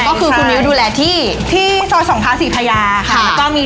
ก็คือคุณมิวดูแลที่